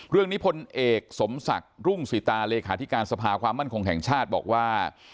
พลเอกสมศักดิ์รุ่งสิตาเลขาธิการสภาความมั่นคงแห่งชาติบอกว่า